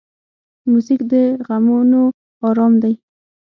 موزیک د غمونو آرام دی.